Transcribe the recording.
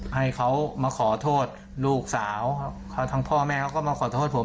ให้เขามาขอโทษลูกสาวเขาทั้งพ่อแม่เขาก็มาขอโทษผม